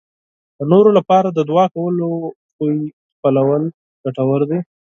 د نورو لپاره د دعا کولو عادت خپلول ګټور دی.